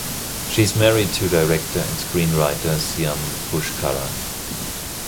She is married to director and screenwriter Syam Pushkaran.